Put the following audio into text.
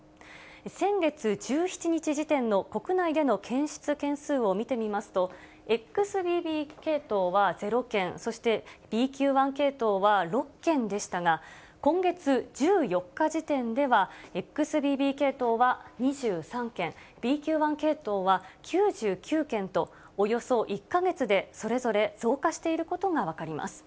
先月１７日時点の国内での検出件数を見てみますと、ＸＢＢ系統は０件、そしてＢＱ．１系統は６件でしたが、今月１４日時点ではＸＢＢ系統は２３件、ＢＱ．１系統は９９件と、およそ１か月でそれぞれ増加していることが分かります。